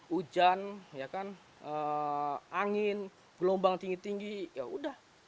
hujan ya kan angin gelombang tinggi tinggi ya udah